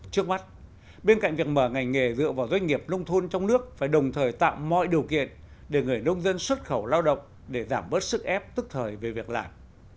trước mắt bên cạnh việc mở ngành nghề dựa vào doanh nghiệp nông thôn trong nước phải đồng thời tạo mọi điều kiện để người nông dân xuất khẩu lao động để giảm bớt sức ép tức thời về việc làm